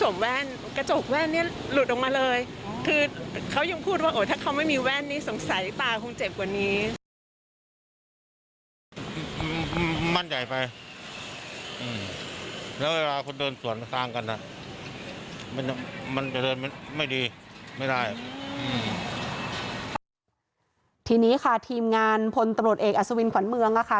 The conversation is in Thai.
มันใหญ่ไปทีนี้ค่ะทีมงานพลตรวจเอกอาซิวินขวันเมืองฯ่ค่ะ